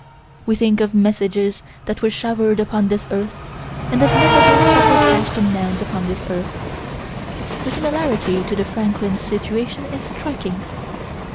We think of messages that were showered upon this earth, and of messages that were cached in mounds upon this earth. The similarity to the Franklin situation is striking.